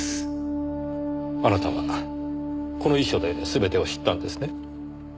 あなたはこの遺書で全てを知ったんですね？